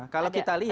kalau kita lihat